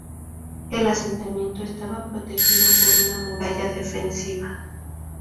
El asentamiento estaba protegido por una muralla defensiva.